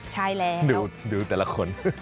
ใช่แล้วดูแต่ละคน